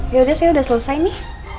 yaudah saya udah selesai nih